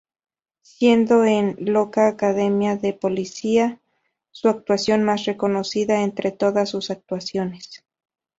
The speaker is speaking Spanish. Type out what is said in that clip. Siendo en "Loca academia de policía" su actuación más reconocida entre todas sus actuaciones.